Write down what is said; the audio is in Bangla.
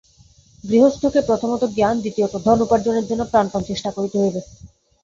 গৃহস্থকে প্রথমত জ্ঞান, দ্বিতীয়ত ধন উপার্জনের জন্য প্রাণপণ চেষ্টা করিতে হইবে।